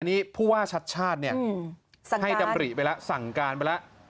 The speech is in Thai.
อันนี้ผู้ว่าชัดชาติเนี่ยให้ดำริไปแล้วสั่งการไปแล้ว